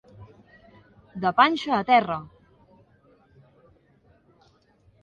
De panxa a terra.